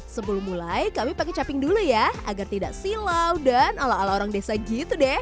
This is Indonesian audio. sebelum mulai kami pakai caping dulu ya agar tidak silau dan ala ala orang desa gitu deh